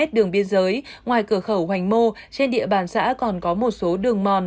đường biên giới ngoài cửa khẩu hoành mô trên địa bàn xã còn có một số đường mòn